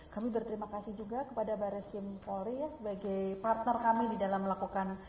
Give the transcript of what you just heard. kami berterima kasih juga kepada baris krim polri sebagai partner kami di dalam melakukan